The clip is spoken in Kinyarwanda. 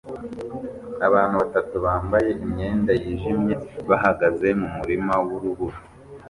Abantu batatu bambaye imyenda yijimye bahagaze mumurima wurubura